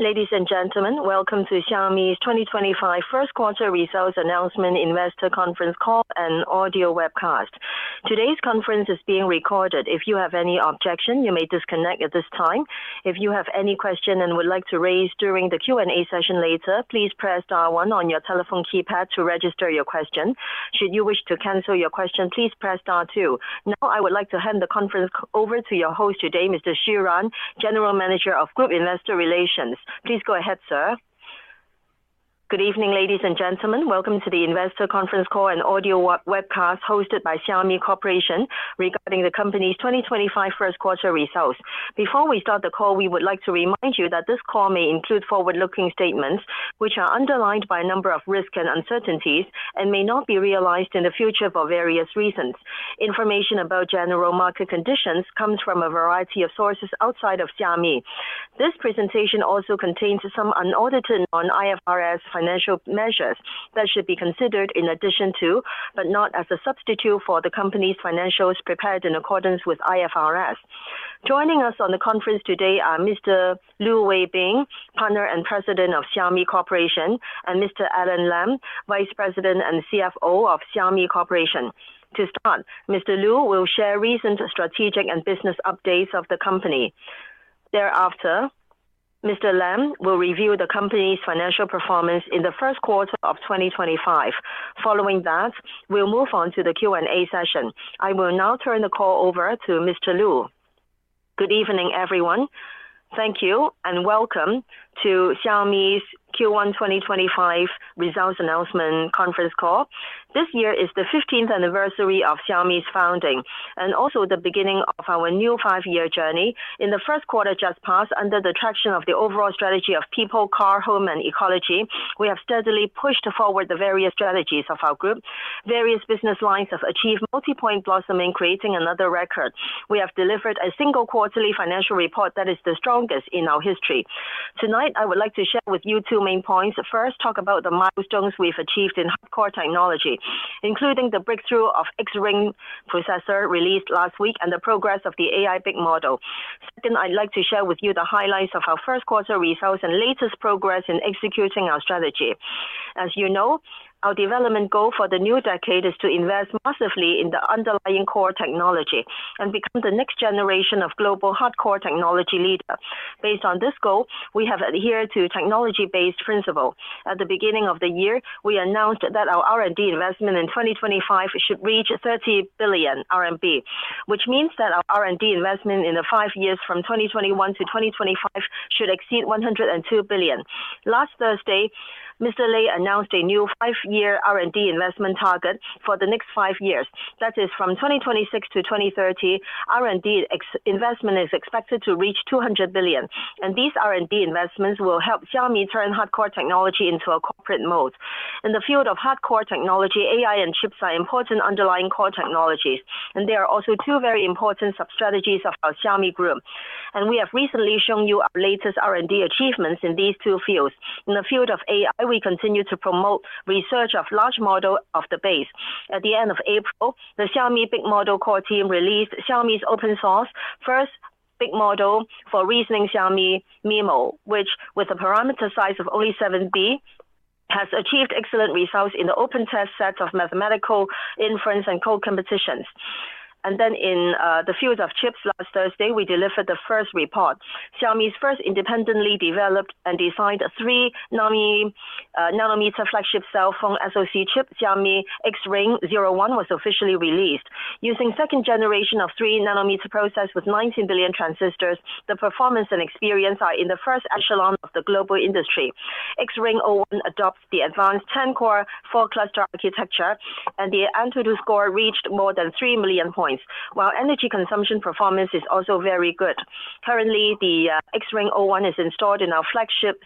Ladies and gentlemen, welcome to Xiaomi's 2025 First Quarter Results Announcement, Investor Conference Call, and audio webcast. Today's conference is being recorded. If you have any objection, you may disconnect at this time. If you have any question and would like to raise during the Q&A session later, please press star one on your telephone keypad to register your question. Should you wish to cancel your question, please press star two. Now, I would like to hand the conference over to your host today, Mr. Xiao Ran, General Manager of Group Investor Relations. Please go ahead, sir. Good evening, ladies and gentlemen. Welcome to the investor conference call and audio webcast hosted by Xiaomi Corporation regarding the company's 2025 first quarter results. Before we start the call, we would like to remind you that this call may include forward-looking statements, which are underlined by a number of risks and uncertainties, and may not be realized in the future for various reasons. Information about general market conditions comes from a variety of sources outside of Xiaomi. This presentation also contains some unedited non-IFRS, financial measures that should be considered in addition to, but not as a substitute for, the company's financials prepared in accordance with IFRS. Joining us on the conference today are Mr. Lu Weibing, Partner and President of Xiaomi Corporation, and Mr. Alain Lam, Vice President and CFO of Xiaomi Corporation. To start, Mr. Lu, will share recent strategic and business updates of the company. Thereafter, Mr. Lam, will review the company's financial performance in the first quarter of 2025. Following that, we'll move on to the Q&A session. I will now turn the call over to Mr. Lu. Good evening, everyone. Thank you, and welcome to Xiaomi's Q1 2025 Results Announcement Conference Call. This year is the 15th anniversary of Xiaomi's founding, and also the beginning of our new five-year journey. In the first quarter just passed, under the traction of the overall strategy of people, car, home, and ecology, we have steadily pushed forward the various strategies of our group. Various business lines have achieved multi-point blossoming, creating another record. We have delivered a single quarterly, financial report that is the strongest in our history. Tonight, I would like to share with you two main points. First, talk about the milestones we've achieved in hardcore technology, including the breakthrough of X-Ring processor, released last week and the progress of the AI big model. Second, I'd like to share with you the highlights of our first quarter results, and latest progress in executing our strategy. As you know, our development goal for the new decade is to invest massively in the underlying core technology, and become the next generation of global hardcore technology leader. Based on this goal, we have adhered to technology-based principles. At the beginning of the year, we announced that our R&D investment, in 2025, should reach 30 billion RMB, which means that our R&D investment, in the five years from 2021 to 2025, should exceed 102 billion. Last Thursday, Mr. Lei, announced a new five-year R&D investment, target for the next five years. That is, from 2026 to 2030, R&D investment, is expected to reach 200 billion. These R&D investments, will help Xiaomi, turn hardcore technology into a corporate mode. In the field of hardcore technology, AI and chips, are important underlying core technologies, and there are also two very important sub-strategies of our Xiaomi group. We have recently shown you our latest R&D achievements, in these two fields. In the field of AI, we continue to promote research of large model of the base. At the end of April, the Xiaomi, big model core team, released Xiaomi's open-source, first big model for reasoning Xiaomi MiMo, which, with a parameter size of only 7B, has achieved excellent results in the open test set of mathematical inference and code competitions. In the field of chips, last Thursday, we delivered the first report. Xiaomi's, first independently developed and designed a three-nanometer flagship cell phone SoC chip, Xiaomi X-Ring 01, was officially released. Using second generation of three-nanometer process, with 19 billion transistors, the performance and experience, are in the first echelon, of the global industry. X-Ring 01, adopts the advanced 10-core four-cluster architecture, and the AnTuTu score, reached more than 3 million points, while energy consumption performance, is also very good. Currently, the X-Ring 01, is installed in our flagship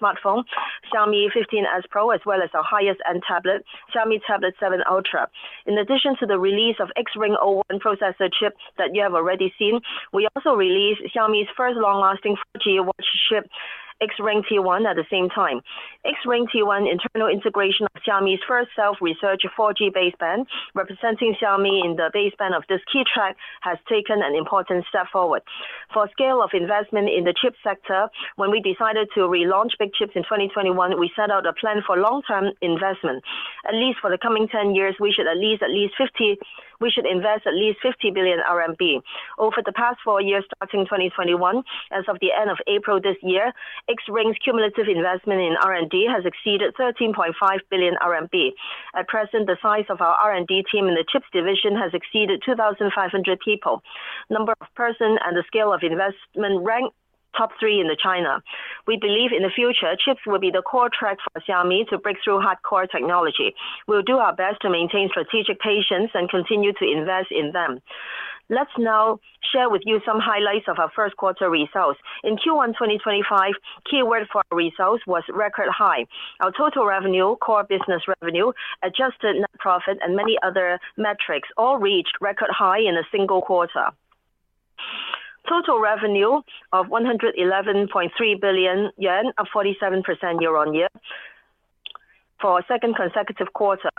smartphone, Xiaomi 15S Pro, as well as our highest-end tablet, Xiaomi Tablet 7 Ultra. In addition to the release of X-Ring 01 processor chip, that you have already seen, we also released Xiaomi's, first long-lasting 4G watch chip, X-Ring T1, at the same time. X-Ring T1, internal integration of Xiaomi's, first self-research 4G baseband, representing Xiaomi, in the baseband of this key track, has taken an important step forward. For scale of investment, in the chip sector, when we decided to relaunch big chips in 2021, we set out a plan for long-term investment. At least for the coming 10 years, we should at least invest at least 50 billion RMB. Over the past four years, starting 2021, as of the end of April this year, X-Ring's, cumulative investment in R&D, has exceeded 13.5 billion RMB. At present, the size of our R&D team, in the chips division, has exceeded 2,500 people. Number of persons, and the scale of investment rank, top three in China. We believe in the future, chips will be the core track for Xiaomi, to break through hardcore technology. We'll do our best to maintain strategic patience and continue to invest in them. Let's now share with you some highlights of our first quarter results. In Q1 2025, keyword for our results was record high. Our total revenue, core business revenue, adjusted net profit, and many other metrics all reached record high in a single quarter. Total revenue of 111.3 billion yuan, up 47%, year-on-year for a second consecutive quarter.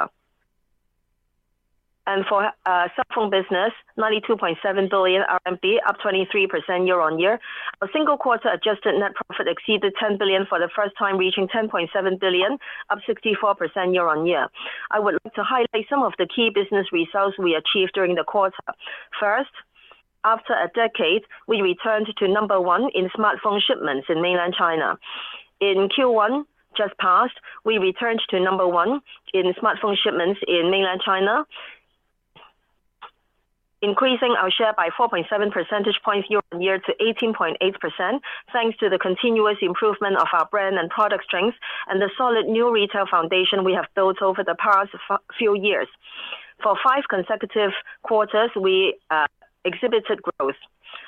For cell phone business, 92.7 billion RMB, up 23%, year-on-year. A single quarter, adjusted net profit exceeded 10 billion, for the first time, reaching 10.7 billion, up 64%, year-on-year. I would like to highlight some of the key business results we achieved during the quarter. First, after a decade, we returned to number one in smartphone shipments in mainland China. In Q1 just passed, we returned to number one in smartphone shipments in mainland China, increasing our share by 4.7 percentage points, year-on-year to 18.8%, thanks to the continuous improvement of our brand and product strength and the solid new retail foundation we have built over the past few years. For five consecutive quarters, we exhibited growth.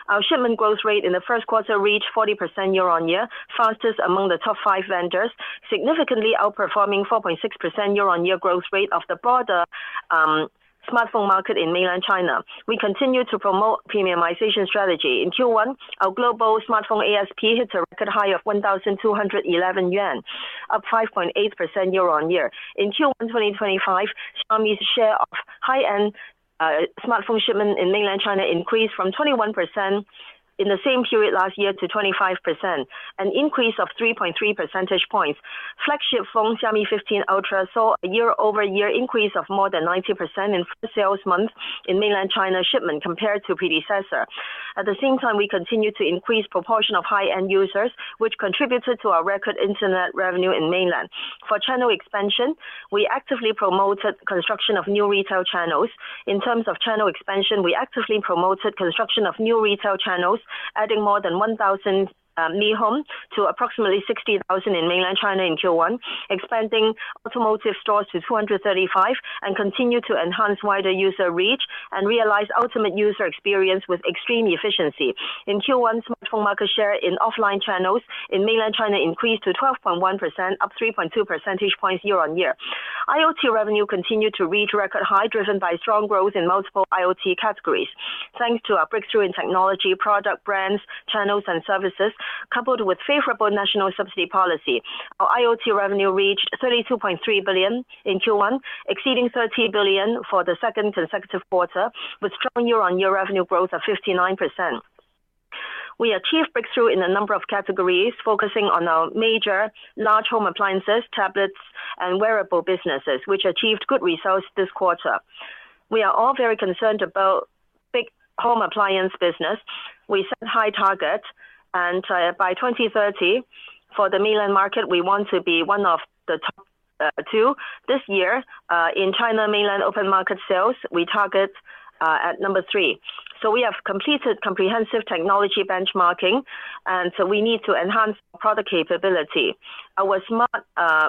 Our shipment growth rate in the first quarter, reached 40%, year-on-year, fastest among the top five vendors, significantly outperforming the 4.6%, year-on-year growth rate, of the broader smartphone market, in mainland China. We continue to promote premiumization strategy. In Q1, our global smartphone ASP, hit a record high of 1,211 yuan, up 5.8%, year-on-year. In Q1 2025, Xiaomi's share, of high-end smartphone shipment in mainland China, increased from 21%, in the same period last year to 25%, an increase of 3.3 percentage points. Flagship phone Xiaomi 15 Ultra, saw a year-over-year increase of more than 90%, in first sales month in mainland China, shipment compared to predecessor. At the same time, we continued to increase the proportion of high-end users, which contributed to our record internet revenue in mainland. For channel expansion, we actively promoted the construction of new retail channels. In terms of channel expansion, we actively promoted the construction of new retail channels, adding more than 1,000 Mi Home stores, to approximately 60,000 in Mainland China, in Q1, expanding automotive stores to 235, and continued to enhance wider user reach and realize ultimate user experience with extreme efficiency. In Q1, smartphone market share, in offline channels in Mainland China, increased to 12.1%, up 3.2 percentage points, year-on-year. IoT revenue, continued to reach record high, driven by strong growth in multiple IoT categories. Thanks to our breakthrough in technology, product brands, channels, and services, coupled with favorable national subsidy policy, our IoT revenue, reached 32.3 billion, in Q1, exceeding 30 billion, for the second consecutive quarter, with strong year-on-year revenue growth of 59%. We achieved breakthrough in a number of categories, focusing on our major large home appliances, tablets, and wearable businesses, which achieved good results this quarter. We are all very concerned about big home appliance business. We set high targets, and by 2030, for the mainland market, we want to be one of the top two. This year, in Mainland China, open market sales, we target at number three. We have completed comprehensive technology benchmarking, and we need to enhance our product capability. Our smart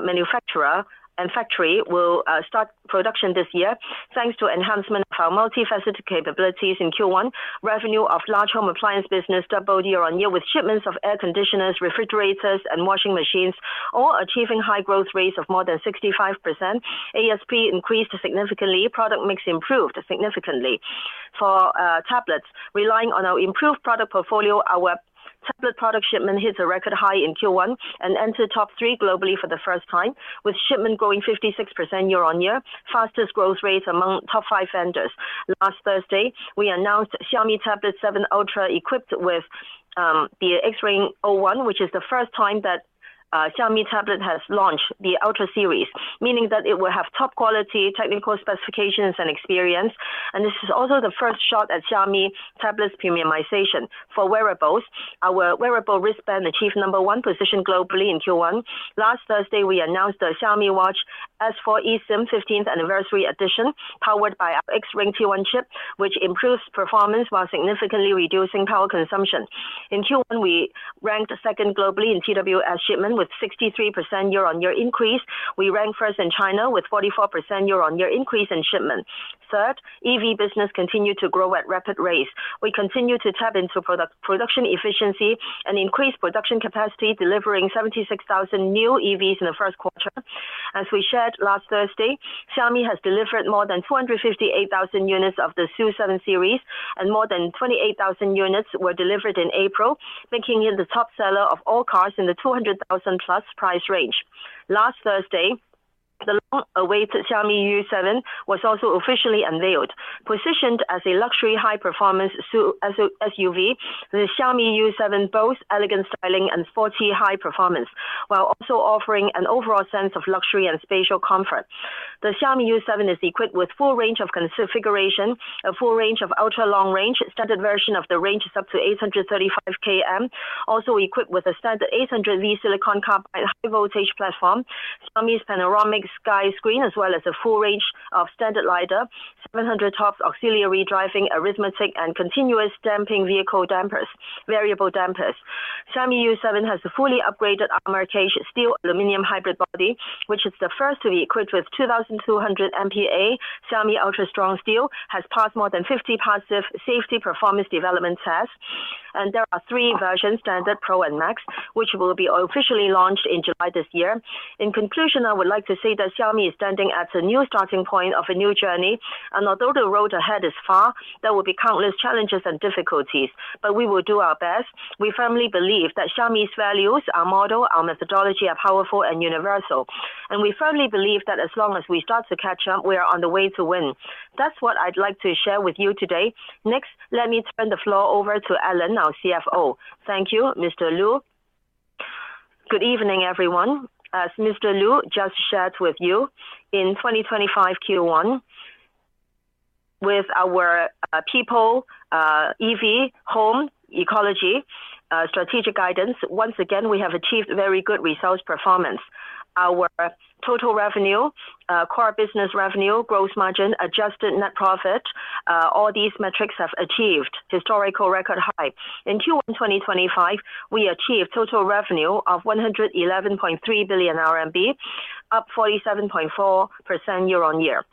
manufacturer, and factory will start production this year, thanks to enhancement of our multifaceted capabilities in Q1. Revenue, of large home appliance business doubled year-on-year with shipments of air conditioners, refrigerators, and washing machines, all achieving high growth rates of more than 65%. ASP, increased significantly. Product mix improved significantly. For tablets, relying on our improved product portfolio, our tablet product shipment hit a record high in Q1 and entered top three globally, for the first time, with shipment growing 56%, year-on-year, fastest growth rates among top five vendors. Last Thursday, we announced Xiaomi Tablet 7 Ultra, equipped with the X-Ring 01, which is the first time that Xiaomi Tablet, has launched the Ultra series, meaning that it will have top-quality technical specifications and experience. This is also the first shot at Xiaomi tablets premiumization. For wearables, our wearable wristband achieved number one position globally in Q1. Last Thursday, we announced the Xiaomi Watch S4, eSIM ,15th anniversary edition, powered by our X-Ring T1 chip, which improves performance while significantly reducing power consumption. In Q1, we ranked second globally in TWS shipment, with 63%, year-on-year increase. We ranked first in China, with 44%, year-on-year increase in shipment. Third, EV business, continued to grow at rapid rates. We continue to tap into production efficiency and increase production capacity, delivering 76,000 new EVs, in the first quarter. As we shared last Thursday, Xiaomi, has delivered more than 258,000 units, of the SU7 series, and more than 28,000 units, were delivered in April, making it the top seller of all cars in the 200,000-plus price range. Last Thursday, the long-awaited Xiaomi U7, was also officially unveiled. Positioned as a luxury high-performance SUV, the Xiaomi U7, boasts elegant styling and sporty high performance, while also offering an overall sense of luxury and spatial comfort. The Xiaomi U7, is equipped with a full range of configuration, a full range of ultra long range. Standard version of the range is up to 835 km, also equipped with a standard 800V silicon carbide high voltage platform, Xiaomi's panoramic sky screen, as well as a full range of standard LIDAR, 700-tops auxiliary driving, arithmetic, and continuous damping vehicle dampers, variable dampers. Xiaomi U7, has a fully upgraded armor cage steel aluminum hybrid body, which is the first to be equipped with 2,200 MPA, Xiaomi Ultra Strong Steel, has passed more than 50 passive safety performance development tests, and there are three versions, Standard, Pro, and Max, which will be officially launched in July, this year. In conclusion, I would like to say that Xiaomi, is standing at a new starting point of a new journey, and although the road ahead is far, there will be countless challenges and difficulties, but we will do our best. We firmly believe that Xiaomi's, values, our model, our methodology are powerful and universal, and we firmly believe that as long as we start to catch up, we are on the way to win. That's what I'd like to share with you today. Next, let me turn the floor over to Alain, our CFO. Thank you, Mr. Lu. Good evening, everyone. As Mr. Lu just shared with you, in 2025 Q1, with our people, EV, home, ecology, strategic guidance, once again, we have achieved very good results performance. Our total revenue, core business revenue, gross margin, adjusted net profit, all these metrics have achieved historical record high. In Q1 2025, we achieved total revenue, of 111.3 billion RMB, up 47.4%, year-on-year.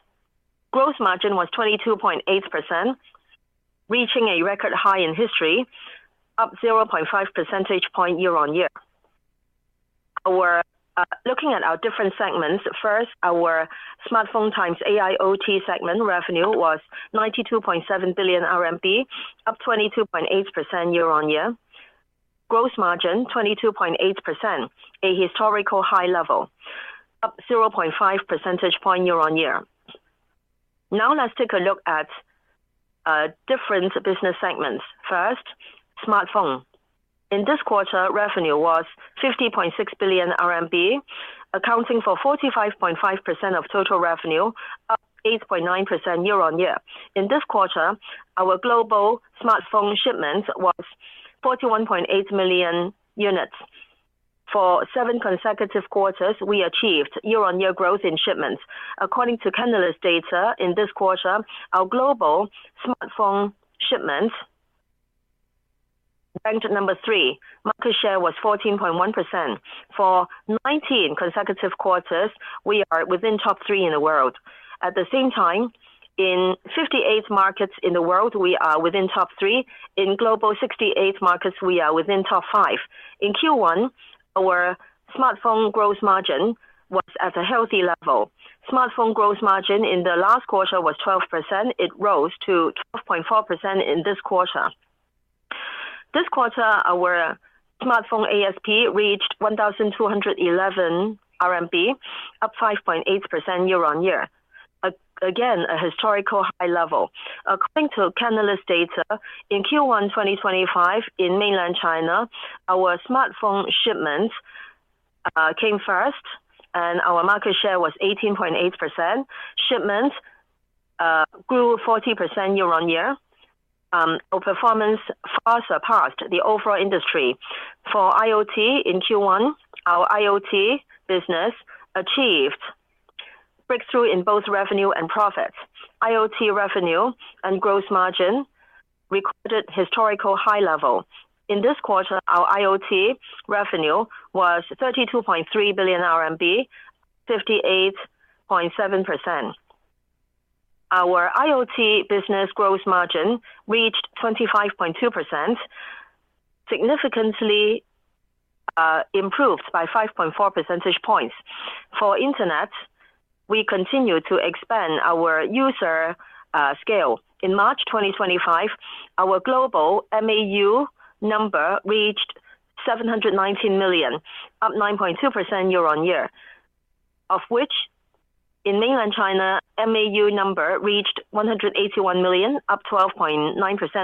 Gross margin, was 22.8%, reaching a record high in history, up 0.5 percentage point year-on-year. Looking at our different segments, first, our smartphone times AIoT, segment revenue was 92.7 billion RMB, up 22.8%, year-on-year. Gross margin, 22.8%, a historical high level, up 0.5 percentage point, year-on-year. Now, let's take a look at different business segments. First, smartphone. In this quarter, revenue, was 50.6 billion RMB, accounting for 45.5% of total revenue, up 8.9%, year-on-year. In this quarter, our global smartphone shipment was 41.8 million units. For seven consecutive quarters, we achieved year-on-year growth in shipments. According to Canalys data, in this quarter, our global smartphone shipment ranked number three. Market share was 14.1%. For 19 consecutive quarters, we are within top three in the world. At the same time, in 58 markets, in the world, we are within top three. In global 68 markets, we are within top five. In Q1, our smartphone gross margin, was at a healthy level. Smartphone gross margin, in the last quarter was 12%. It rose to 12.4%, in this quarter. This quarter, our smartphone ASP, reached 1,211 RMB, up 5.8%, year-on-year. Again, a historical high level. According to Canalys data, in Q1 2025, in Mainland China, our smartphone shipments came first, and our market share was 18.8%. Shipments grew 40%, year-on-year. Our performance far surpassed the overall industry. For IoT, in Q1, our IoT business achieved breakthrough in both revenue and profits. IoT revenue and gross margin recorded historical high level. In this quarter, our IoT revenue was RMB 32.3 billion, up 58.7%. Our IoT business gross margin, reached 25.2%, significantly improved by 5.4 percentage points. For internet, we continue to expand our user scale. In March 2025, our global MAU number, reached 719 million, up 9.2%, year-on-year, of which in mainland China, MAU number, reached 181 million, up 12.9%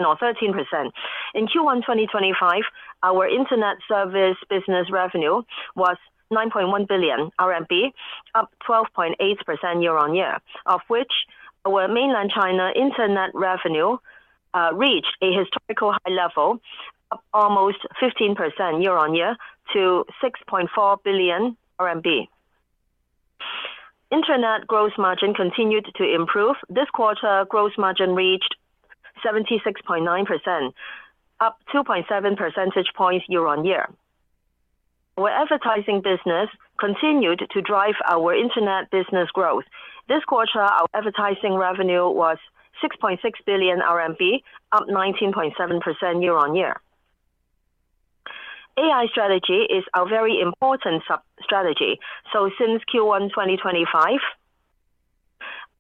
or 13%. In Q1 2025, our internet service business revenue, was 9.1 billion RMB, up 12.8%, year-on-year, of which our mainland China, internet revenue, reached a historical high level, up almost 15%, year-on-year to 6.4 billion RMB. Internet gross margin, continued to improve. This quarter, gross margin, reached 76.9%, up 2.7 percentage points, year-on-year. Our advertising business continued to drive our internet business growth. This quarter, our advertising revenue was 6.6 billion RMB, up 19.7%, year-on-year. AI strategy, is our very important strategy. Since Q1 2025,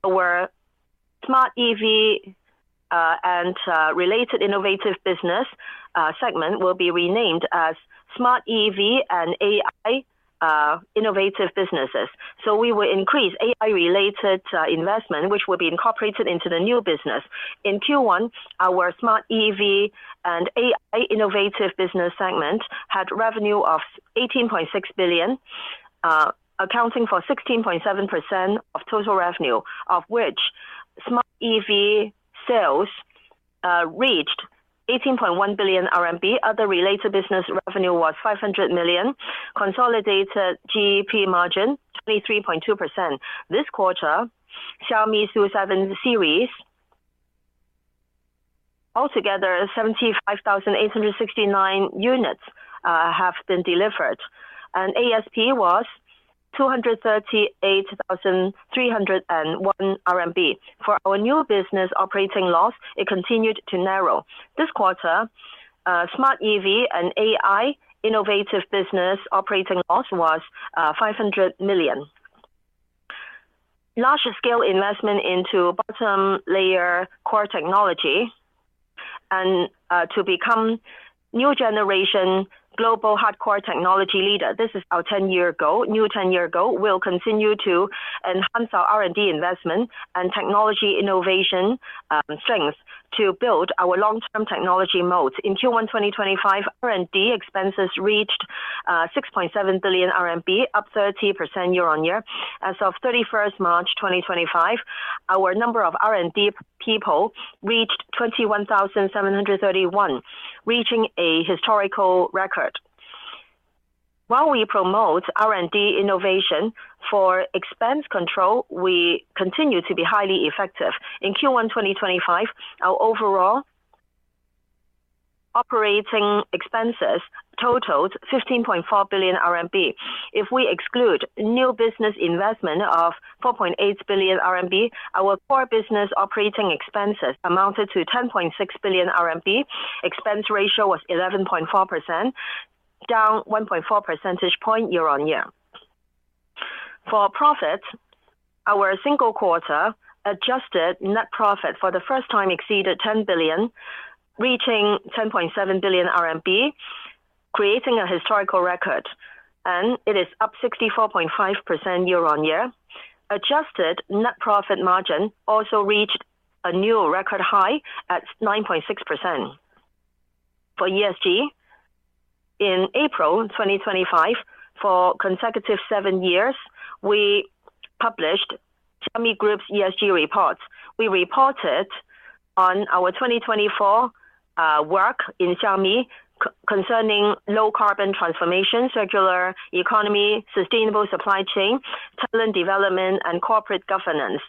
our smart EV, and related innovative business segment will be renamed as smart EV and AI innovative businesses. We will increase AI-related investment, which will be incorporated into the new business. In Q1, our smart EV, and AI innovative business segment, had revenue of 18.6 billion, accounting for 16.7%, of total revenue, of which smart EV, sales reached 18.1 billion RMB. Other related business revenue was 500 million. Consolidated GEP margin, 23.2%. This quarter, Xiaomi SU7 series, altogether 75,869 units, have been delivered, and ASP, was 238,301 RMB. For our new business operating loss, it continued to narrow. This quarter, smart EV and AI innovative business operating loss, was 500 million. Larger scale investment, into bottom layer core technology and to become new generation global hardcore technology leader. This is our 10-year goal. New 10-year goal, will continue to enhance our R&D investment, and technology innovation strength to build our long-term technology moat. In Q1 2025, R&D expenses, reached 6.7 billion RMB, up 30%, year-on-year. As of 31 March 2025, our number of R&D, people reached 21,731, reaching a historical record. While we promote R&D innovation, for expense control, we continue to be highly effective. In Q1 2025, our overall operating expenses, totaled 15.4 billion RMB. If we exclude new business investment of 4.8 billion RMB, our core business operating expenses amounted to 10.6 billion RMB. Expense ratio was 11.4%, down 1.4 percentage points, year-on-year. For profit, our single quarter, adjusted net profit, for the first time exceeded 10 billion, reaching 10.7 billion RMB, creating a historical record, and it is up 64.5%, year-on-year. Adjusted net profit margin also reached a new record high at 9.6%. For ESG, in April 2025, for consecutive seven years, we published Xiaomi Group's ESG reports. We reported on our 2024, work in Xiaomi, concerning low carbon transformation, circular economy, sustainable supply chain, talent development, and corporate governance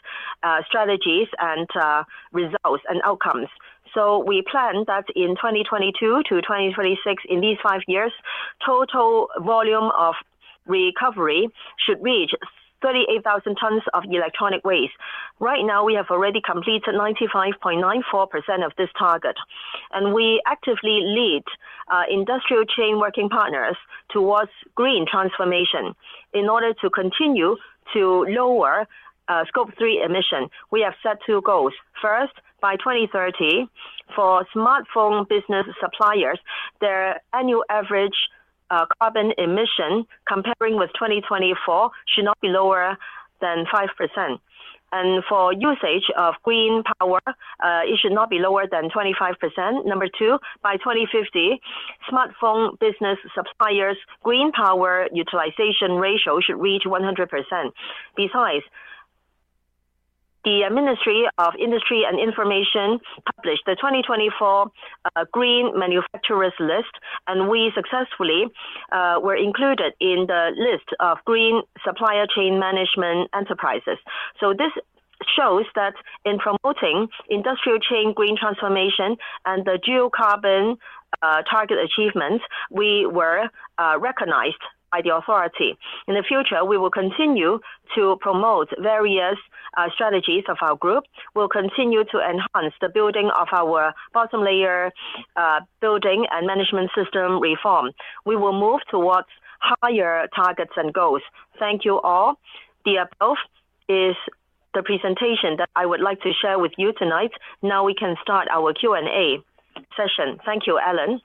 strategies, and results and outcomes. We plan that in 2022 to 2026, in these five years, total volume of recovery should reach 38,000 tons of electronic waste. Right now, we have already completed 95.94% of this target, and we actively lead industrial chain working partners towards green transformation. In order to continue to lower scope three emission, we have set two goals. First, by 2030, for smartphone business suppliers, their annual average carbon emission comparing with 2024, should not be lower than 5%. For usage of green power, it should not be lower than 25%. Number two, by 2050, smartphone business suppliers' green power utilization ratio, should reach 100%. Besides, the Ministry of Industry and Information published the 2024 Green Manufacturers List, and we successfully were included in the list of green supplier chain management enterprises. This shows that in promoting industrial chain green transformation, and the geocarbon target achievements, we were recognized by the authority. In the future, we will continue to promote various strategies of our group. We will continue to enhance the building of our bottom layer building and management system reform. We will move towards higher targetsand goals. Thank you all. The above is the presentation that I would like to share with you tonight. Now we can start our Q&A session. Thank you, Alain.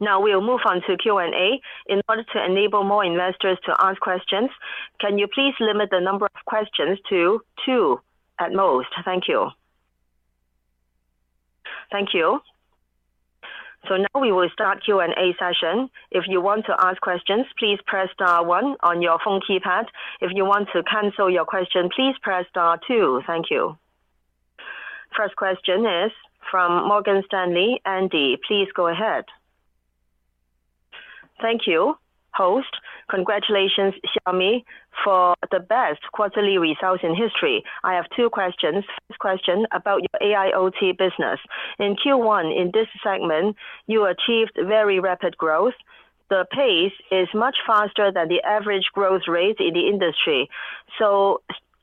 Now we'll move on to Q&A. In order to enable more investors to ask questions, can you please limit the number of questions to two at most? Thank you. Thank you. Now we will start Q&A session. If you want to ask questions, please press star one on your phone keypad. If you want to cancel your question, please press star two. Thank you. First question is from Morgan Stanley, Andy. Please go ahead. Thank you, host. Congratulations, Xiaomi, for the best quarterly results in history. I have two questions. First question about your AIoT business. In Q1, in this segment, you achieved very rapid growth. The pace is much faster than the average growth rate, in the industry.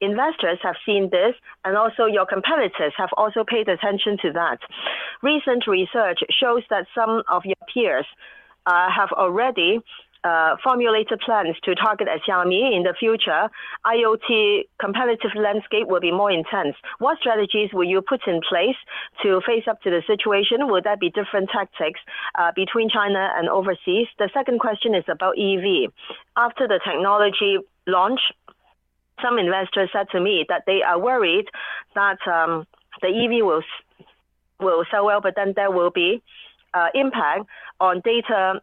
Investors have seen this, and also your competitors have also paid attention to that. Recent research, shows that some of your peers have already formulated plans to target Xiaomi. In the future, IoT competitive landscape, will be more intense. What strategies will you put in place to face up to the situation? Will there be different tactics between China and overseas? The second question is about EV. After the technology launch, some investors said to me that they are worried that the EV, will sell well, but then there will be impact on data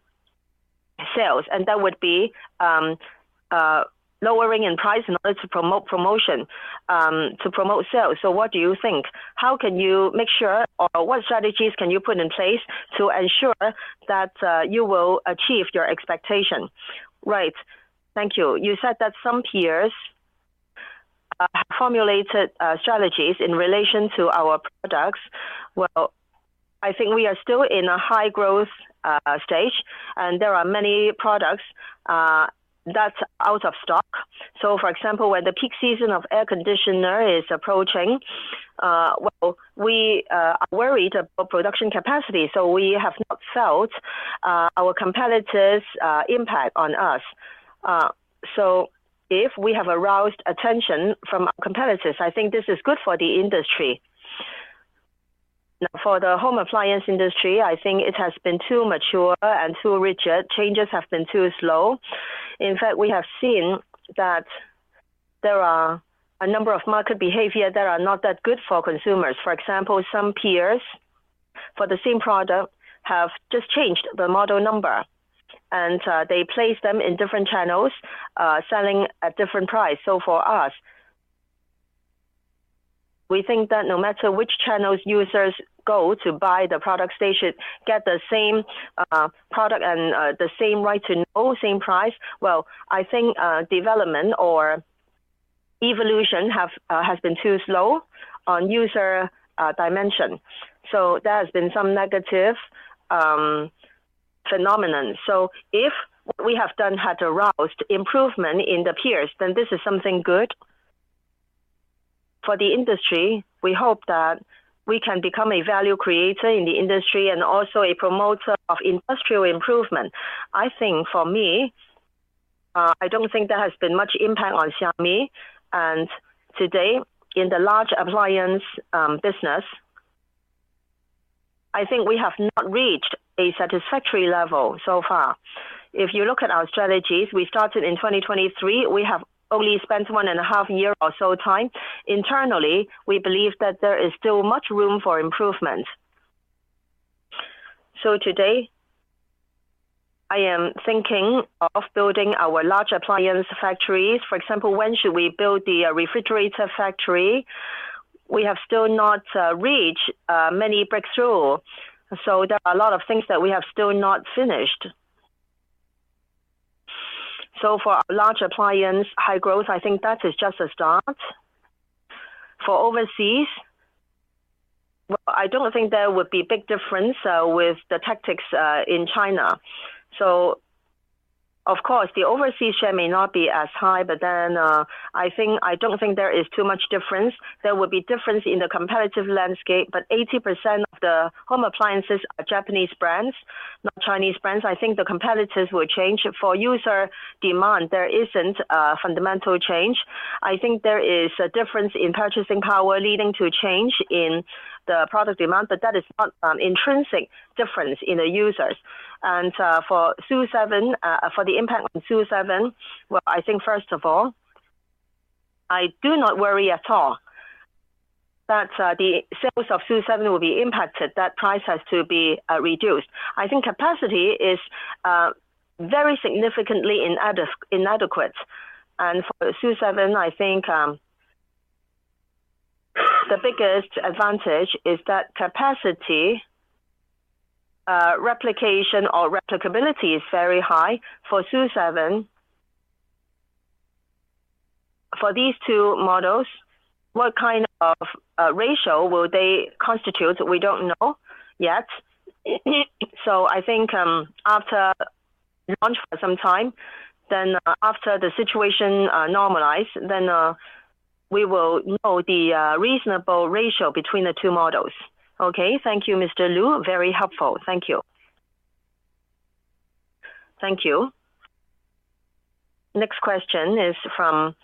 sales, and that would be lowering in price in order to promote sales. What do you think? How can you make sure, or what strategies can you put in place to ensure that you will achieve your expectation? Right. Thank you. You said that some peers have formulated strategies in relation to our products. I think we are still in a high growth stage, and there are many products that are out of stock. For example, when the peak season of air conditioner, is approaching, we are worried about production capacity, so we have not felt our competitors' impact on us. If we have aroused attention from our competitors, I think this is good for the industry. Now, for the home appliance industry, I think it has been too mature and too rigid. Changes have been too slow. In fact, we have seen that there are a number of market behaviors, that are not that good for consumers. For example, some peers for the same product have just changed the model number, and they place them in different channels selling at different prices. For us, we think that no matter which channels users go to buy the product, they should get the same product and the same right to know, same price. I think development or evolution has been too slow on user dimension. There has been some negative phenomenon. If what we have done had aroused improvement in the peers, then this is something good. For the industry, we hope that we can become a value creator in the industry and also a promoter of industrial improvement. I think for me, I do not think there has been much impact on Xiaomi. Today, in the large appliance business, I think we have not reached a satisfactory level so far. If you look at our strategies, we started in 2023. We have only spent one and a half years or so time. Internally, we believe that there is still much room for improvement. Today, I am thinking of building our large appliance factories. For example, when should we build the refrigerator factory? We have still not reached many breakthroughs. There are a lot of things that we have still not finished. For large appliance, high growth, I think that is just a start. For overseas, I do not think there would be a big difference with the tactics in China. Of course, the overseas share may not be as high, but I do not think there is too much difference. There will be difference in the competitive landscape, but 80%, of the home appliances, are Japanese brands, not Chinese brands. I think the competitors will change. For user demand, there is not a fundamental change. I think there is a difference in purchasing power, leading to change in the product demand, but that is not an intrinsic difference in the users. For SU7, for the impact on SU7, I think first of all, I do not worry at all that the sales of SU7, will be impacted, that price has to be reduced. I think capacity is very significantly inadequate. For SU7, I think the biggest advantage is that capacity replication or replicability is very high. For SU7, for these two models, what kind of ratio will they constitute? We do not know yet. I think after launch for some time, after the situation normalizes, then we will know the reasonable ratio between the two models. Okay. Thank you, Mr. Lu. Very helpful. Thank you. Thank you. Next question is from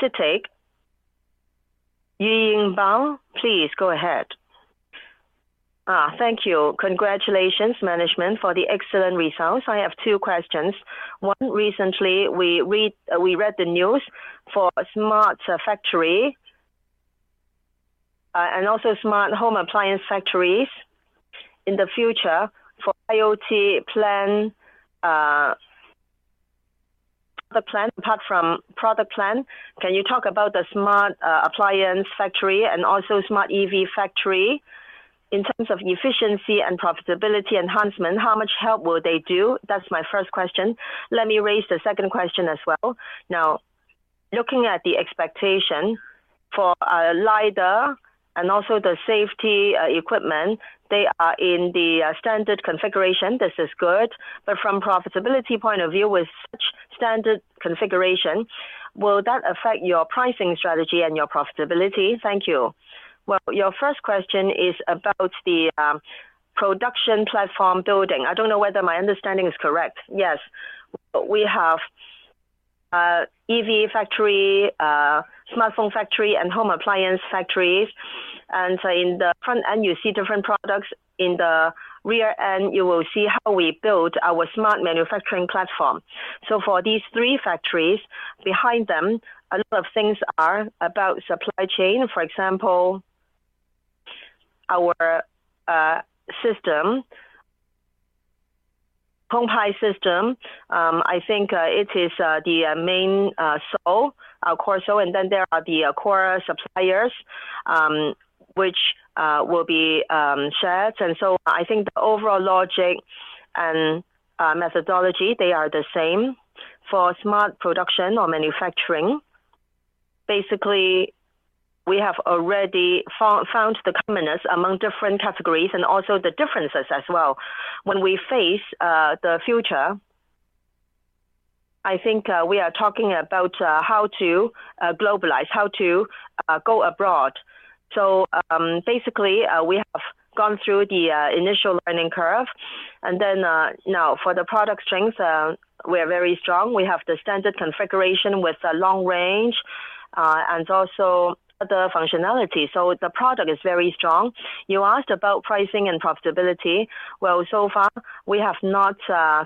Citi. Yiying Bang, please go ahead. Thank you. Congratulations, management, for the excellent results. I have two questions. One, recently we read the news for smart factory and also smart home appliance factories. In the future, for IoT plan, product plan, apart from product plan, can you talk about the smart appliance factory and also smart EV factory? In terms of efficiency and profitability enhancement, how much help will they do? That's my first question. Let me raise the second question as well. Now, looking at the expectation for LIDAR, and also the safety equipment, they are in the standard configuration. This is good. From a profitability point of view, with such standard configuration, will that affect your pricing strategy and your profitability? Thank you. Your first question is about the production platform building. I do not know whether my understanding is correct. Yes. We have EV factory, smartphone factory, and home appliance factories. In the front end, you see different products. In the rear end, you will see how we build our smart manufacturing platform. For these three factories, behind them, a lot of things are about supply chain. For example, our system, Hong Hai system, I think it is the main core, and then there are the core suppliers, which will be shared. I think the overall logic and methodology, they are the same. For smart production or manufacturing, basically, we have already found the commonness among different categories and also the differences as well. When we face the future, I think we are talking about how to globalize, how to go abroad. Basically, we have gone through the initial learning curve. Now for the product strength, we are very strong. We have the standard configuration with long range and also other functionality. The product is very strong. You asked about pricing and profitability. So far, we have not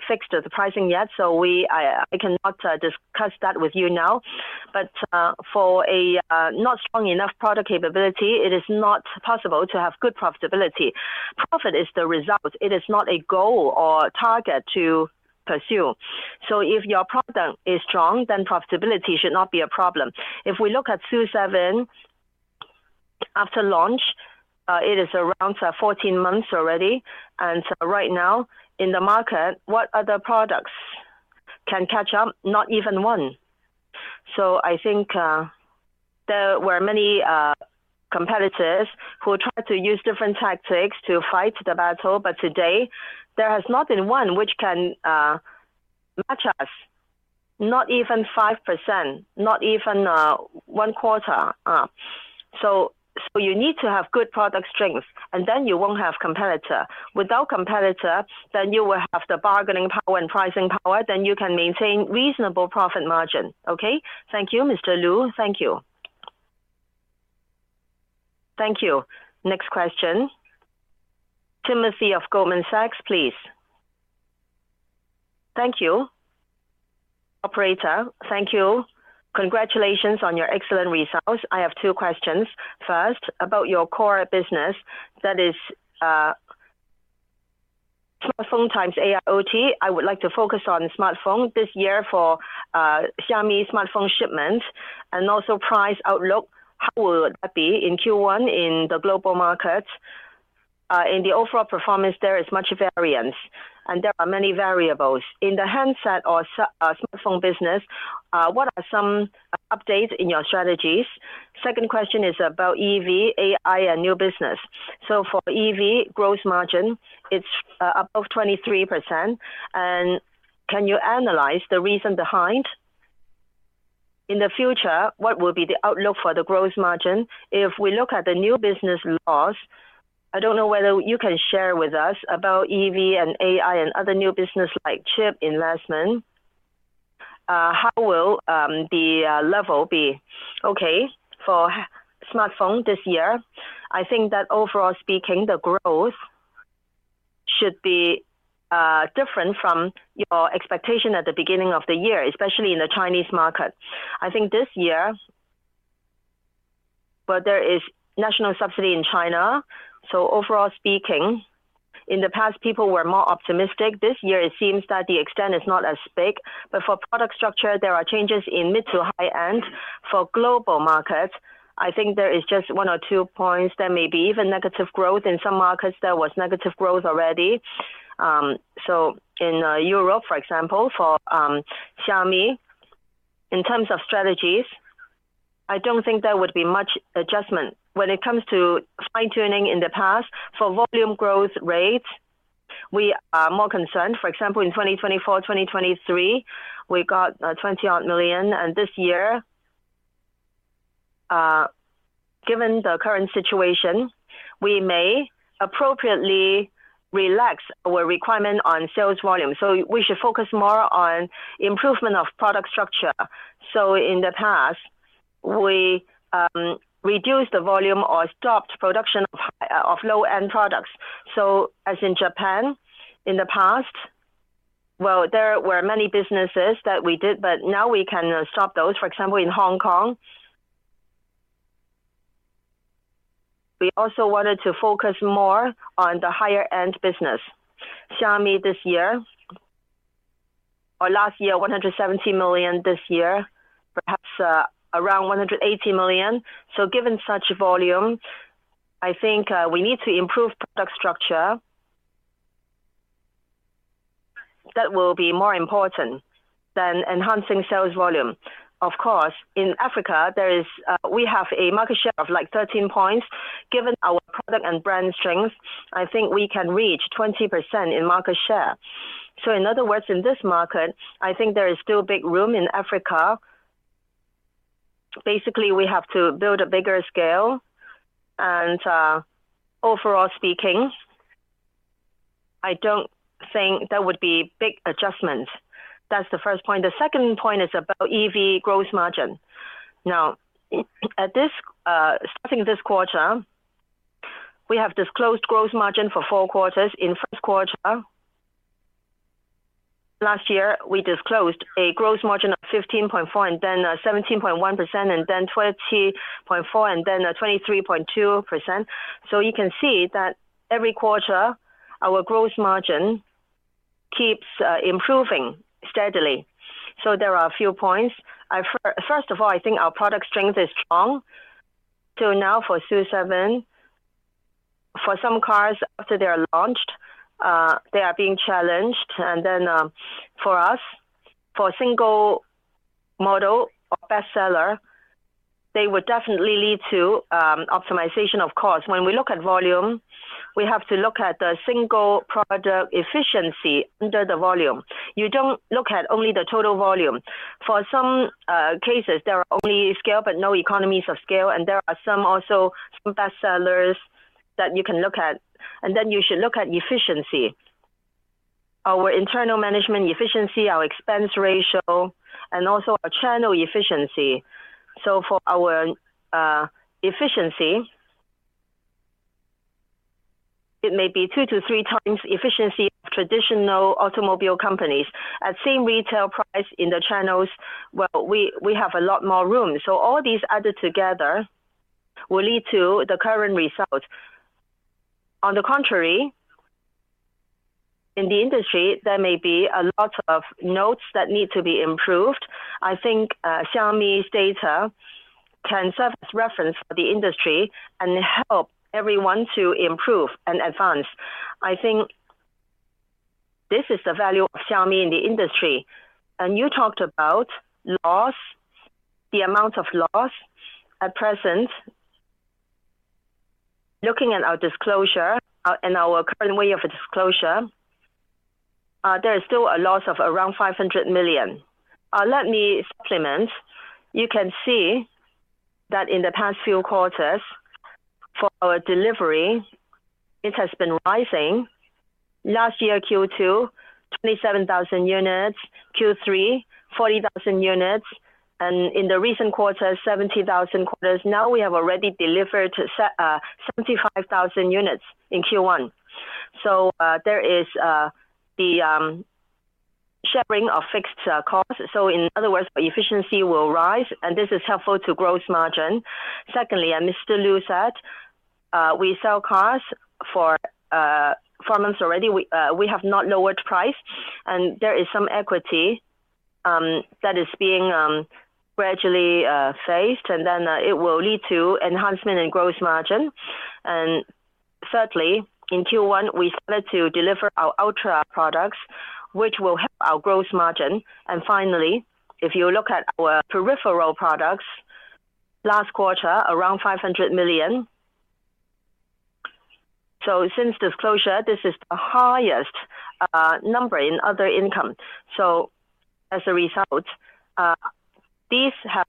fixed the pricing yet, so I cannot discuss that with you now. For a not strong enough product capability, it is not possible to have good profitability. Profit is the result. It is not a goal or target to pursue. If your product is strong, then profitability should not be a problem. If we look at SU7, after launch, it is around 14 months, already. Right now, in the market, what other products can catch up? Not even one. I think there were many competitors who tried to use different tactics to fight the battle, but today, there has not been one which can match us. Not even 5%, not even one quarter. You need to have good product strength, and then you will not have competitor. Without competitor, then you will have the bargaining power and pricing power. Then you can maintain reasonable profit margin. Okay. Thank you, Mr. Lu. Thank you. Thank you. Next question. Timothy,, of Goldman Sachs, please. Thank you. Operator, thank you. Congratulations on your excellent results. I have two questions. First, about your core business that is smartphone times AIoT. I would like to focus on smartphone this year for Xiaomi smartphone shipments and also price outlook. How will that be in Q1 in the global markets? In the overall performance, there is much variance, and there are many variables. In the handset or smartphone business, what are some updates in your strategies? Second question is about EV, AI, and new business. So for EV, gross margin, it's above 23%. And can you analyze the reason behind? In the future, what will be the outlook for the gross margin? If we look at the new business loss, I do not know whether you can share with us about EV and AI, and other new business like chip investment. How will the level be? Okay. For smartphone this year, I think that overall speaking, the growth should be different from your expectation at the beginning of the year, especially in the Chinese market. I think this year, there is national subsidy in China. Overall speaking, in the past, people were more optimistic. This year, it seems that the extent is not as big. For product structure, there are changes in mid to high end. For global markets, I think there is just one or two points. There may be even negative growth. In some markets, there was negative growth already. In Europe, for example, for Xiaomi, in terms of strategies, I do not think there would be much adjustment. When it comes to fine-tuning in the past, for volume growth rates, we are more concerned. For example, in 2024, 2023, we got 20-odd million. This year, given the current situation, we may appropriately relax our requirement on sales volume. We should focus more on improvement of product structure. In the past, we reduced the volume or stopped production of low-end products. As in Japan, in the past, there were many businesses that we did, but now we can stop those. For example, in Hong Kong, we also wanted to focus more on the higher-end business. Xiaomi this year, or last year, 170 million, this year, perhaps around 180 million. Given such volume, I think we need to improve product structure. That will be more important than enhancing sales volume. Of course, in Africa, we have a market share of like 13%. Given our product and brand strength, I think we can reach 20%, in market share. In other words, in this market, I think there is still big room in Africa. Basically, we have to build a bigger scale. Overall speaking, I do not think there would be big adjustments. That is the first point. The second point is about EV gross margin. Now, starting this quarter, we have disclosed gross margin, for four quarters. In first quarter last year, we disclosed a gross margin, of 15.4%, and then 17.1%, and then 20.4%, and then 23.2%. You can see that every quarter, our gross margin keeps improving steadily. There are a few points. First of all, I think our product strength is strong. Now for SU7, for some cars, after they are launched, they are being challenged. For us, for single model or bestseller, they would definitely lead to optimization, of course. When we look at volume, we have to look at the single product efficiency under the volume. You do not look at only the total volume. For some cases, there are only scale, but no economies of scale. There are also some bestsellers that you can look at. You should look at efficiency, our internal management efficiency, our expense ratio, and also our channel efficiency. For our efficiency, it may be two to three times the efficiency of traditional automobile companies. At the same retail price in the channels, we have a lot more room. All these added together will lead to the current result. On the contrary, in the industry, there may be a lot of notes that need to be improved. I think Xiaomi's, data can serve as reference for the industry and help everyone to improve and advance. I think this is the value of Xiaomi in the industry. You talked about loss, the amount of loss. At present, looking at our disclosure and our current way of disclosure, there is still a loss of around 500 million. Let me supplement. You can see that in the past few quarters, for our delivery, it has been rising. Last year, Q2, 27,000, units, Q3, 40,000 units, and in the recent quarter, 70,000 units. Now we have already delivered 75,000 units, in Q1. There is the sharing of fixed costs. In other words, our efficiency will rise, and this is helpful to gross margin. Secondly, as Mr. Lu said, we sell cars for four months already. We have not lowered price, and there is some equity that is being gradually phased, and then it will lead to enhancement in gross margin. Thirdly, in Q1, we started to deliver our ultra products, which will help our gross margin. Finally, if you look at our peripheral products, last quarter, around 500 million. Since disclosure, this is the highest number in other income. As a result, these have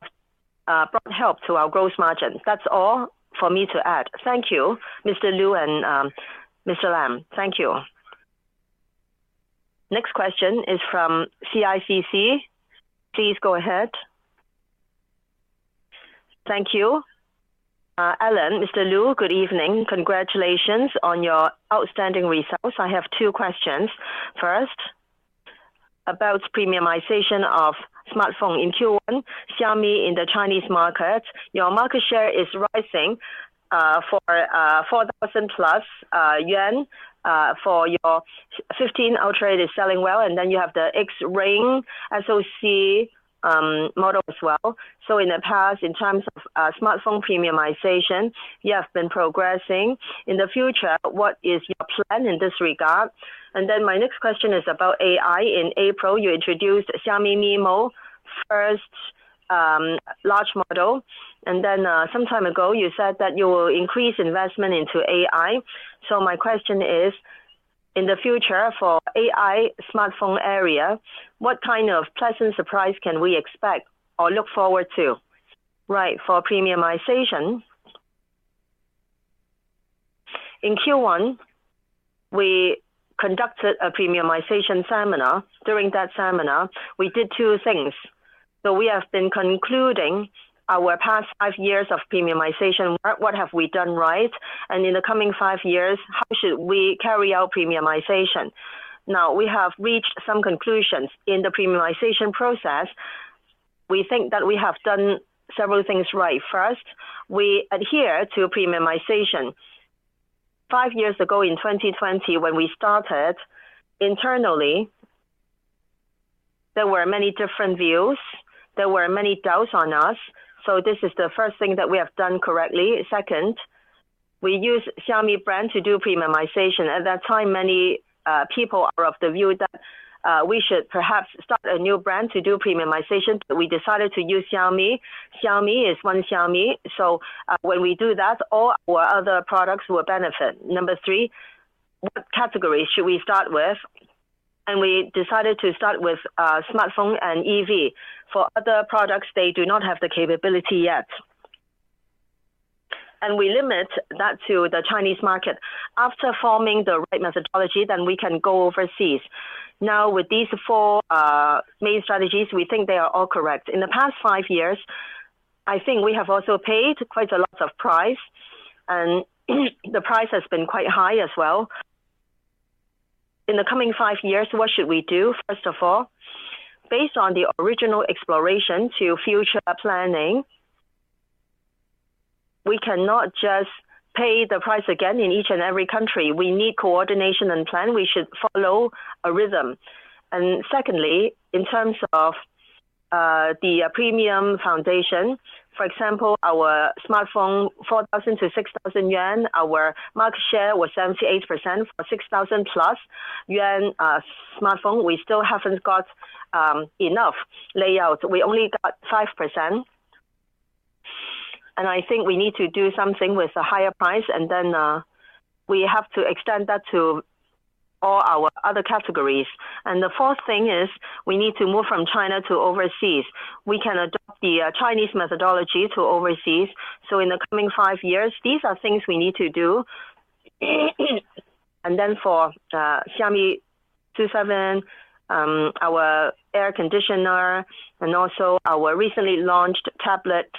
broughthelp to our gross margin. That's all for me to add. Thank you, Mr. Lu and Mr. Lam. Thank you. Next question is from CICC. Please go ahead. Thank you. Alan, Mr. Lu, good evening. Congratulations on your outstanding results. I have two questions. First, about premiumization of smartphone in Q1, Xiaomi in the Chinese market, your market share is rising for 4,000 yuan plus, for your 15 Ultra, is selling well. You have the X-Ring SoC model, as well. In the past, in terms of smartphone premiumization, you have been progressing. In the future, what is your plan in this regard? My next question is about AI. In April, you introduced Xiaomi MiMo, first large model. Some time ago, you said that you will increase investment into AI. My question is, in the future for AI smartphone area, what kind of pleasant surprise can we expect or look forward to? Right, for premiumization. In Q1, we conducted a premiumization seminar. During that seminar, we did two things. We have been concluding our past five years of premiumization. What have we done right? In the coming five years, how should we carry out premiumization? We have reached some conclusions in the premiumization process. We think that we have done several things right. First, we adhere to premiumization. Five years ago, in 2020, when we started, internally, there were many different views. There were many doubts on us. This is the first thing that we have done correctly. Second, we use Xiaomi brand, to do premiumization. At that time, many people are of the view that we should perhaps start a new brand to do premiumization. We decided to use Xiaomi. Xiaomi, is one Xiaomi. When we do that, all our other products will benefit. Number three, what category should we start with? We decided to start with smartphone and EV. For other products, they do not have the capability yet. We limit that to the Chinese market. After forming the right methodology, then we can go overseas. Now, with these four main strategies, we think they are all correct. In the past five years, I think we have also paid quite a lot of price, and the price has been quite high as well. In the coming five years, what should we do? First of all, based on the original exploration, to future planning, we cannot just pay the price again in each and every country. We need coordination and plan. We should follow a rhythm. Secondly, in terms of the premium foundation, for example, our smartphone, 4,000-6,000 yuan, our market share was 78%. For 6,000 yuan plus smartphone, we still have not got enough layout. We only got 5%. I think we need to do something with a higher price, and then we have to extend that to all our other categories. The fourth thing is, we need to move from China, to overseas. We can adopt the Chinese methodology, to overseas. In the coming five years, these are things we need to do. For Xiaomi SU7, our air conditioner, and also our recently launched tablet,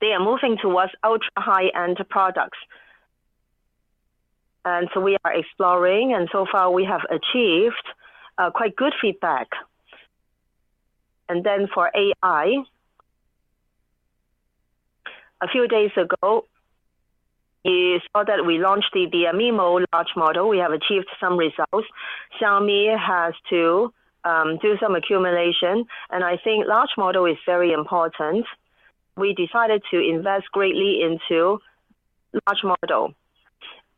they are moving towards ultra high-end products. We are exploring, and so far, we have achieved quite good feedback. For AI, a few days ago, you saw that we launched the MiMo, large model. We have achieved some results. Xiaomi, has to do some accumulation, and I think large model, is very important. We decided to invest greatly into large model.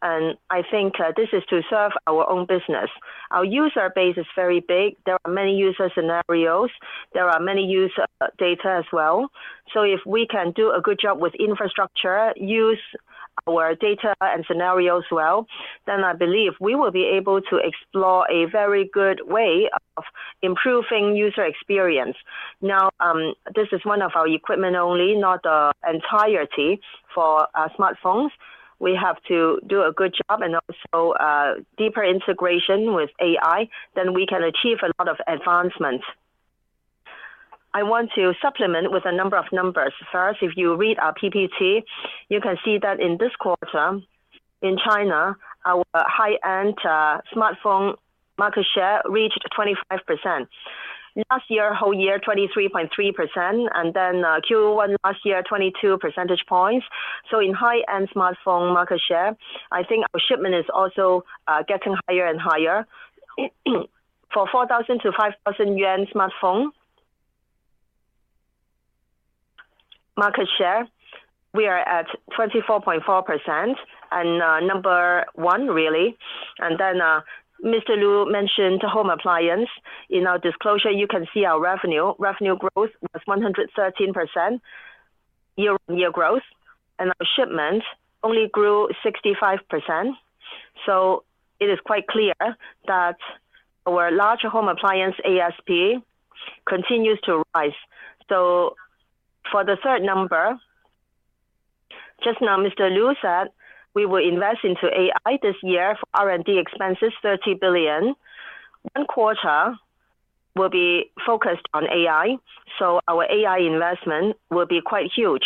I think this is to serve our own business. Our user base is very big. There are many user scenarios. There are many user data as well. If we can do a good job with infrastructure, use our data and scenarios well, I believe we will be able to explore a very good way of improving user experience. This is one of our equipment only, not the entirety for smartphones. We have to do a good job and also deeper integration with AI, then we can achieve a lot of advancements. I want to supplement with a number of numbers. First, if you read our PPT, you can see that in this quarter, in China, our high-end smartphone market share reached 25%. Last year, whole year, 23.3%, and then Q1 last year, 22 percentage points. In high-end smartphone market share, I think our shipment is also getting higher and higher. For 4,000-5,000 yuan smartphone market share, we are at 24.4%, and number one, really. Mr. Lu, mentioned home appliance. In our disclosure, you can see our revenue. Revenue growth, was 113%, year-on-year growth, and our shipment only grew 65%. It is quite clear that our large home appliance ASP, continues to rise. For the third number, just now, Mr. Lu, said we will invest into AI, this year for R&D expenses, 30 billion. One quarter will be focused on AI, so our AI investment, will be quite huge.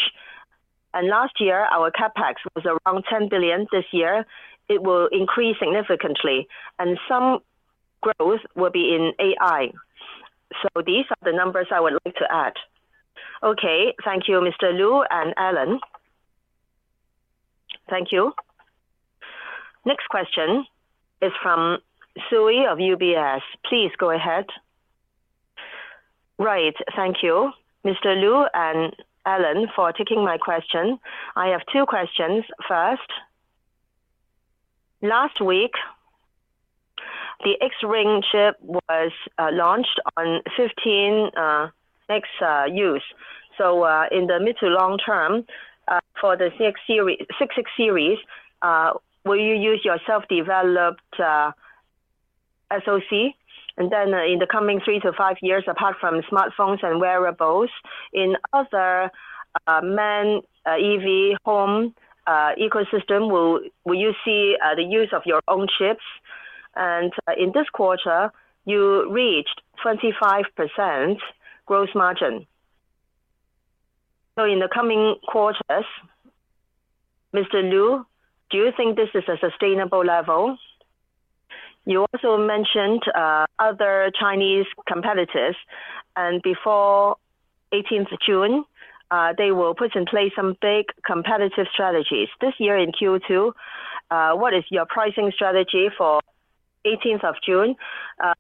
Last year, our CapEx was around 10 billion. This year, it will increase significantly, and some growth will be in AI. These are the numbers I would like to add. Okay, thank you, Mr. Lu and Alan. Thank you. Next question is from Sui, of UBS.Please go ahead. Right, thank you, Mr. Lu and Alan, for taking my question. I have two questions. First, last week, the X-Ring chip, was launched on 15X use. In the mid to long term, for the 6X series, will you use your self-developed SoC? In the coming three to five years, apart from smartphones and wearables, in other main EV home ecosystem, will you see the use of your own chips? In this quarter, you reached 25%, gross margin. In the coming quarters, Mr. Lu, do you think this is a sustainable level? You also mentioned other Chinese competitors, and before 18th of June, they will put in place some big competitive strategies. This year in Q2, what is your pricing strategy for 18th of June?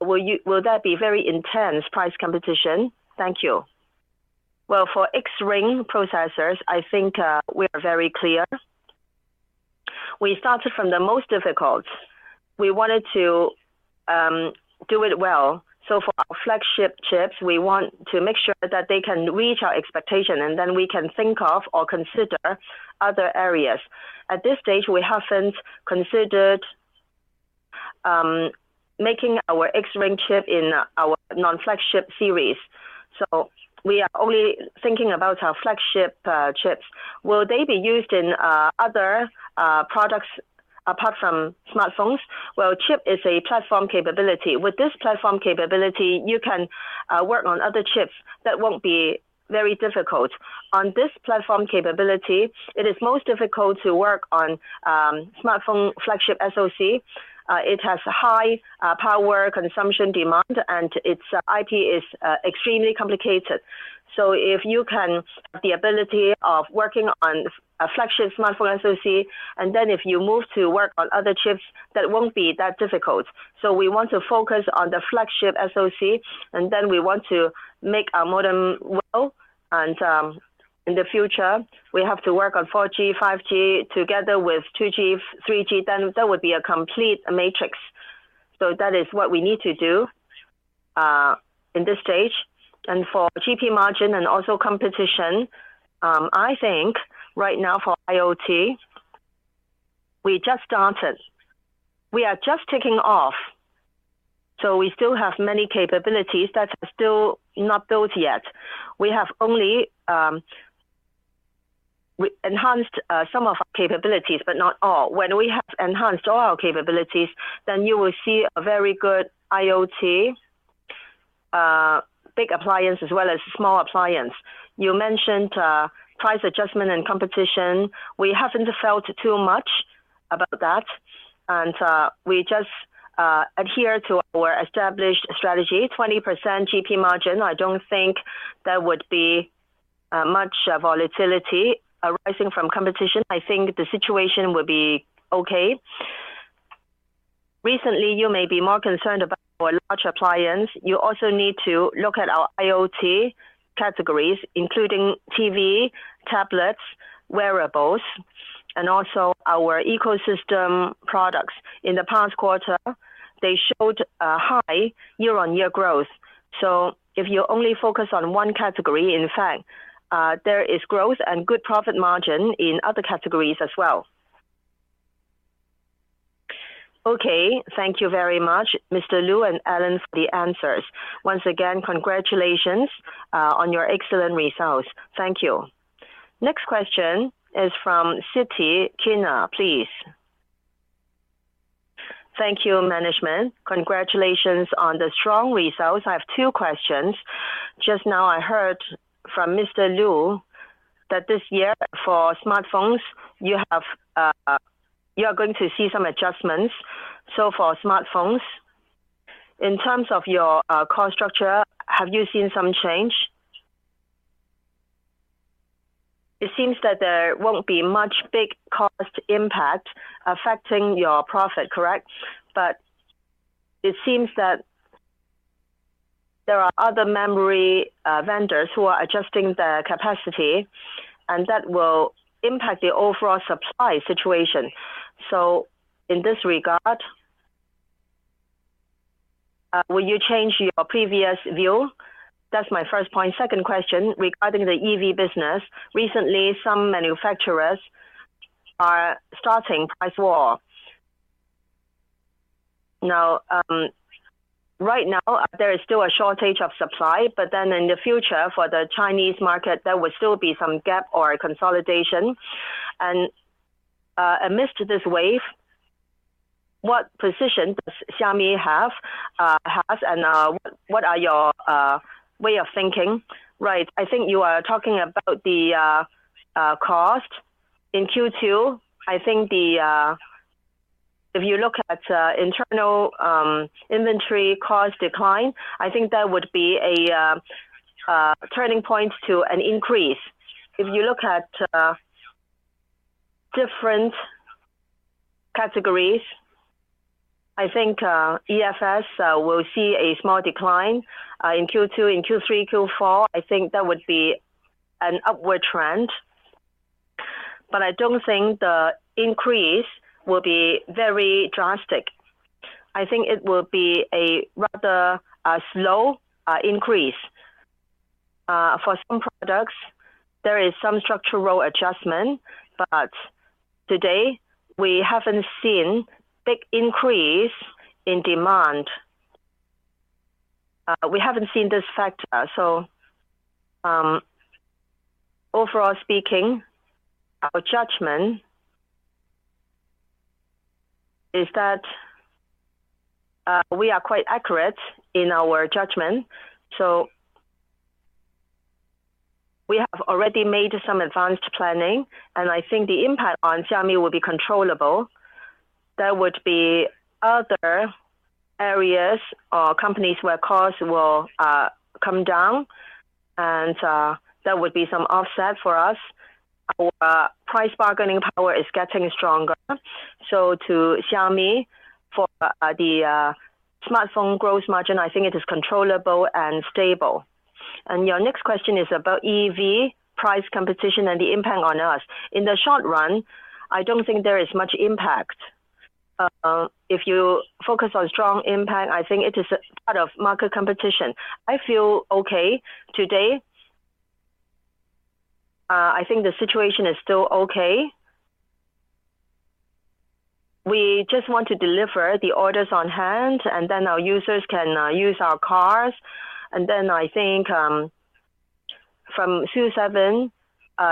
Will that be very intense price competition? Thank you. For X-Ring processors, I think we are very clear. We started from the most difficult. We wanted to do it well. For our flagship chips, we want to make sure that they can reach our expectation, and then we can think of or consider other areas. At this stage, we have not considered making our X-Ring chip, in our non-flagship series. We are only thinking about our flagship chips. Will they be used in other products apart from smartphones? Chip, is a platform capability. With this platform capability, you can work on other chips that will not be very difficult. On this platform capability, it is most difficult to work on smartphone flagship SoC. It has high power consumption demand, and its IP, is extremely complicated. If you can have the ability of working on a flagship smartphone SoC, and then if you move to work on other chips, that will not be that difficult. We want to focus on the flagship SoC, and then we want to make a modern model. In the future, we have to work on 4G, 5G together with 2G, 3G. That would be a complete matrix. That is what we need to do in this stage. For GP margin and also competition, I think right now for IoT, we just started. We are just taking off. We still have many capabilities that are not built yet. We have only enhanced some of our capabilities, but not all. When we have enhanced all our capabilities, then you will see a very good IoT, big appliance, as well as small appliance. You mentioned price adjustment and competition. We have not felt too much about that, and we just adhere to our established strategy, 20% GP margin. I do not think there would be much volatility, arising from competition. I think the situation will be okay. Recently, you may be more concerned about our large appliance. You also need to look at our IoT categories, including TV, tablets, wearables, and also our ecosystem products. In the past quarter, they showed high year-on-year growth. If you only focus on one category, in fact, there is growth and good profit margin in other categories as well. Thank you very much, Mr. Lu and Alan, for the answers. Once again, congratulations on your excellent results. Thank you. Next question is from Citi, Qina, please. Thank you, management. Congratulations on the strong results. I have two questions. Just now, I heard from Mr. Lu, that this year for smartphones, you are going to see some adjustments. For smartphones, in terms of your cost structure, have you seen some change? It seems that there will not be much big cost impact affecting your profit, correct? It seems that there are other memory vendors who are adjusting their capacity, and that will impact the overall supply situation. In this regard, will you change your previous view? That is my first point. Second question regarding the EV business. Recently, some manufacturers are starting a price war. Right now, there is still a shortage of supply, but in the future, for the Chinese market, there will still be some gap or consolidation. Amidst this wave, what position does Xiaomi have? What are your way of thinking? Right, I think you are talking about the cost. In Q2, I think if you look at internal inventory cost, decline, I think that would be a turning point to an increase. If you look at different categories, I think EFS will see a small decline. In Q2, in Q3, Q4, I think that would be an upward trend. I do not think the increase will be very drastic. I think it will be a rather slow increase. For some products, there is some structural adjustment, but today, we have not seen a big increase in demand. We have not seen this factor. Overall speaking, our judgment is that we are quite accurate in our judgment. We have already made some advanced planning, and I think the impact on Xiaomi, will be controllable. That would be other areas or companies where costs will come down, and that would be some offset for us. Our price bargaining power is getting stronger. To Xiaomi, for the smartphone gross margin, I think it is controllable and stable. Your next question is about EV price, competition and the impact on us. In the short run, I do not think there is much impact. If you focus on strong impact, I think it is part of market competition. I feel okay today. I think the situation is still okay. We just want to deliver the orders on hand, and then our users can use our cars. I think from SU7,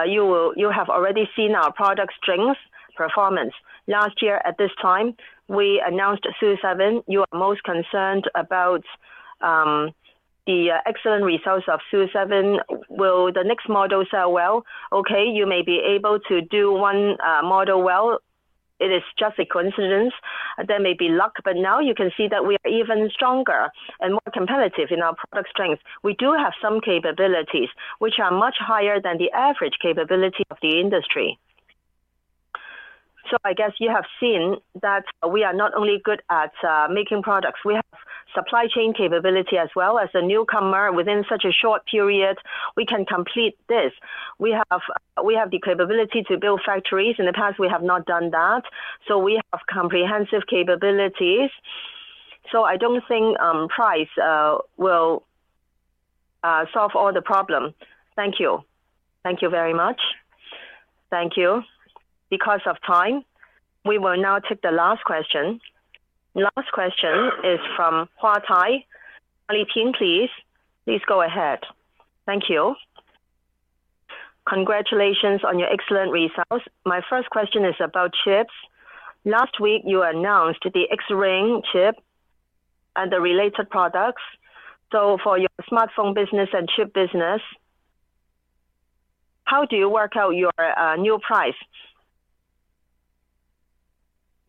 you have already seen our product strength performance. Last year, at this time, we announced SU7. You are most concerned about the excellent results of SU7. Will the next model sell well? You may be able to do one model well. It is just a coincidence. There may be luck, but now you can see that we are even stronger and more competitive in our product strength. We do have some capabilities which are much higher than the average capability of the industry. I guess you have seen that we are not only good at making products. We have supply chain capability as well. As a newcomer, within such a short period, we can complete this. We have the capability to build factories. In the past, we have not done that. We have comprehensive capabilities. I do not think price will solve all the problems. Thank you. Thank you very much. Thank you. Because of time, we will now take the last question. Last question is from Huatai, Ali Tin, please. Please go ahead. Thank you. Congratulations on your excellent results. My first question is about chips. Last week, you announced the X-Ring 01 chip, and the related products. For your smartphone business and chip business, how do you work out your new price?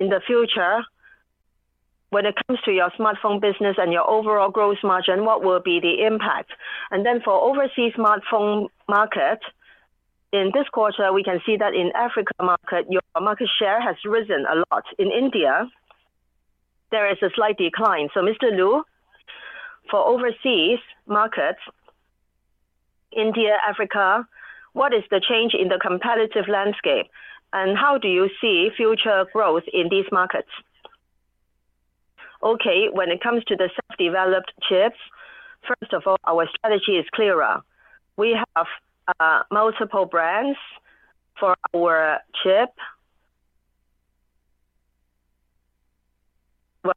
In the future, when it comes to your smartphone business and your overall gross margin, what will be the impact? For overseas smartphone market, in this quarter, we can see that in Africa market, your market share has risen a lot. In India, there is a slight decline. Mr. Lu, for overseas markets, India, Africa, what is the change in the competitive landscape? How do you see future growth in these markets? Okay, when it comes to the self-developed chips, first of all, our strategy is clearer. We have multiple brands for our chip.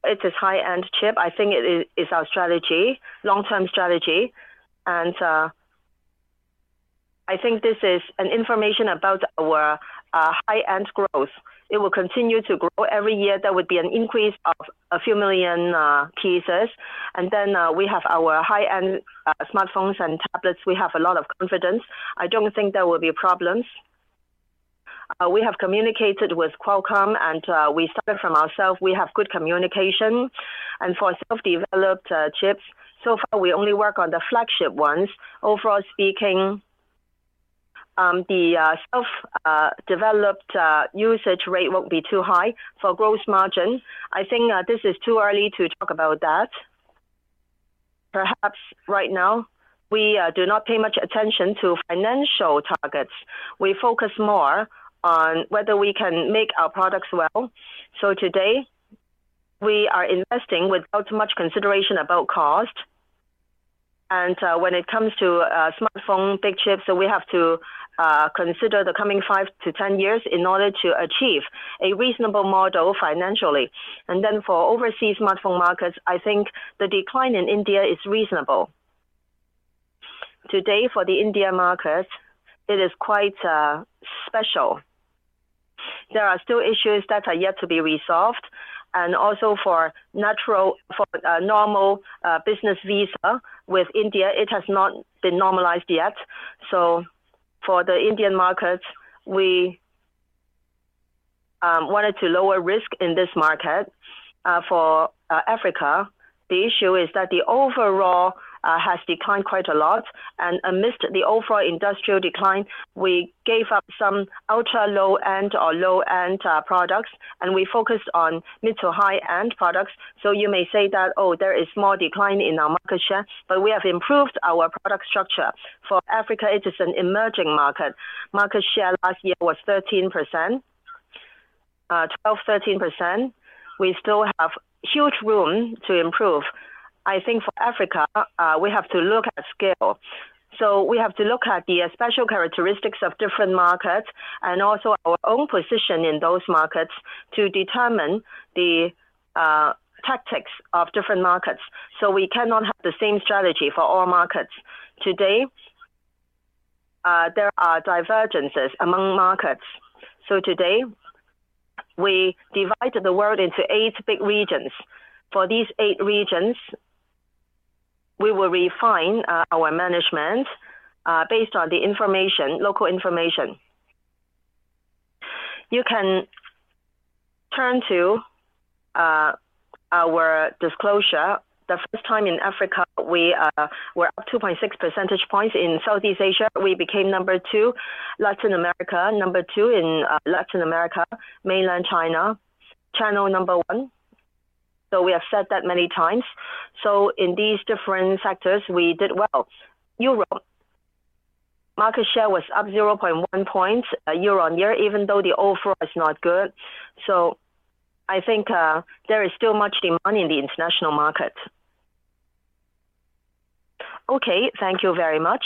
It is a high-end chip. I think it is our strategy, long-term strategy. I think this is information about our high-end growth. It will continue to grow every year. That would be an increase of a few million pieces. We have our high-end smartphones and tablets. We have a lot of confidence. I do not think there will be problems. We have communicated with Qualcomm, and we started from ourselves. We have good communication. For self-developed chips, so far, we only work on the flagship ones. Overall speaking, the self-developed usage rate will not be too high for gross margin. I think this is too early to talk about that. Perhaps right now, we do not pay much attention to financial targets. We focus more on whether we can make our products well. Today, we are investing without much consideration about cost. When it comes to smartphone, big chips, we have to consider the coming 5-10 years in order to achieve a reasonable model financially. For overseas smartphone markets, I think the decline in India is reasonable. Today, for the India market, it is quite special. There are still issues that are yet to be resolved. Also, for normal business visa with India, it has not been normalized yet. For the Indian markets, we wanted to lower risk in this market. For Africa, the issue is that the overall has declined quite a lot. Amidst the overall industrial decline, we gave up some ultra low-end or low-end products, and we focused on mid to high-end products. You may say that, "Oh, there is more decline in our market share," but we have improved our product structure. For Africa, it is an emerging market. Market share last year was 13%, 12-13%. We still have huge room to improve. I think for Africa, we have to look at scale. We have to look at the special characteristics of different markets and also our own position in those markets to determine the tactics of different markets. We cannot have the same strategy for all markets. Today, there are divergences among markets. Today, we divided the world into eight big regions. For these eight regions, we will refine our management based on the local information. You can turn to our disclosure. The first time in Africa, we were up 2.6 percentage points. In Southeast Asia, we became number two. Latin America, number two in Latin America. Mainland China, channel number one. We have said that many times. In these different sectors, we did well. Europe, market share was up 0.1 points year on year, even though the overall is not good. I think there is still much demand in the international market. Okay, thank you very much.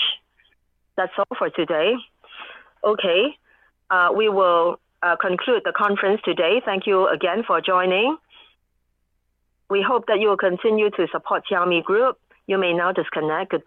That's all for today. Okay, we will conclude the conference today. Thank you again for joining. We hope that you will continue to support Xiaomi Group. You may now disconnect. Good.